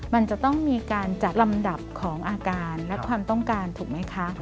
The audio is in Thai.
มันจะต้องมีการจัดลำดับของอาการและความต้องการถูกไหมคะ